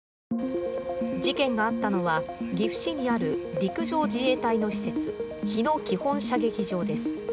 事件があったのは岐阜市にある陸上自衛隊の施設、日野基本射撃場です。